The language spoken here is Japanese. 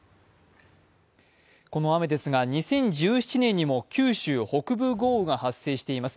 この雨ですが２０１７年にも九州北部豪雨が発生しています。